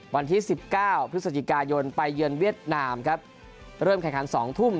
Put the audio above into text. วันที่สิบเก้าพฤศจิกายนไปเยือนเวียดนามครับเริ่มแข่งขันสองทุ่ม